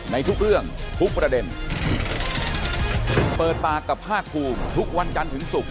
ในทุกเรื่องทุกประเด็นเปิดปากกับภาคภูมิทุกวันจันทร์ถึงศุกร์